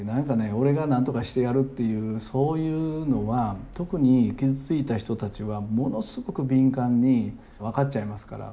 「俺がなんとかしてやる」っていうそういうのは特に傷ついた人たちはものすごく敏感に分かっちゃいますから。